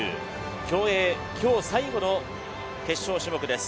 競泳、今日最後の決勝種目です。